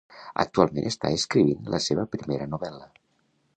Actualment està escrivint la seva primera novel·la.